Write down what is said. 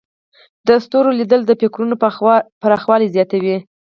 د ستورو لیدل د فکرونو پراخوالی زیاتوي.